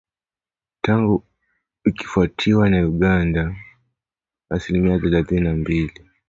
Tatu ikifuatiwa na Uganda asilimia themanini na mbili